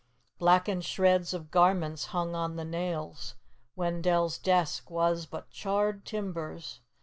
Blackened shreds of garments hung on the nails. Wendell's desk was but charred timbers.